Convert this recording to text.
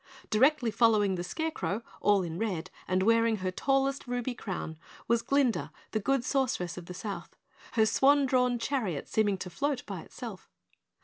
Directly following the Scarecrow, all in red and wearing her tallest ruby crown, was Glinda the Good Sorceress of the South, her swan drawn chariot seeming to float by itself.